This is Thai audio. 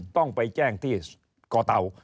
ต้องไปแจ้งที่ก่อเตา